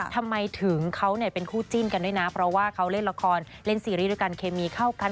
ทำไมถึงเขาเป็นคู่จิ้นกันด้วยนะเพราะว่าเขาเล่นละครเล่นซีรีส์ด้วยกันเคมีเข้ากัน